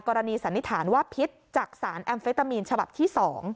สันนิษฐานว่าพิษจากสารแอมเฟตามีนฉบับที่๒